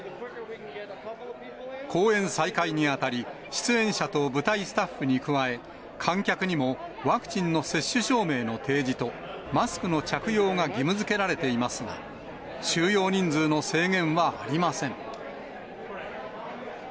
公演再開にあたり、出演者と舞台スタッフに加え、観客にも、ワクチンの接種証明の提示と、マスクの着用が義務づけられていますが、収容人数の制限はありません。